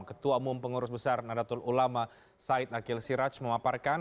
ketua umum pengurus besar nadatul ulama said akil siraj memaparkan